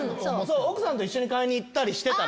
奥さんと一緒に買いにいったりしてたらな。